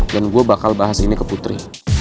gue bakal bahas ini ke putri